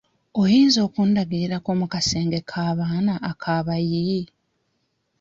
Oyinza okundagirirako mu kasenge k'abaana ak'abayi?